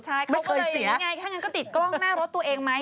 ใช่ถ้างั้นก็ติดกล้องหน้ารถตัวเองไหม